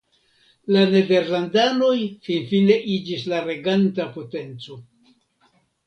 La nederlandanoj finfine iĝis la reganta potenco.